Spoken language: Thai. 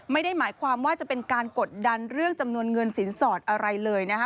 ไม่ได้หมายความว่าจะเป็นการกดดันเรื่องจำนวนเงินสินสอดอะไรเลยนะคะ